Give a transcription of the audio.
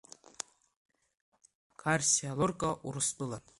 Гарсиа Лорка, Урыстәылан…